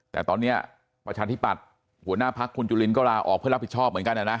แต่ตอนนี้ประชาธิปัตย์หัวหน้าพักคุณจุลินก็ลาออกเพื่อรับผิดชอบเหมือนกันนะ